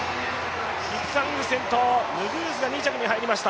キプサング先頭、ヌグースが２着に入りました。